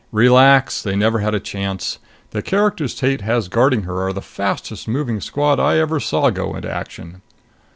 "Relax! They never had a chance. The characters Tate has guarding her are the fastest moving squad I ever saw go into action."